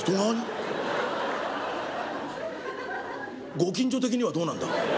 ご近所的にはどうなんだ？」。